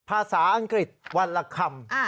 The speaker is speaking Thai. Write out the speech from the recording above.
ภาษาอังกฤษวันละคำ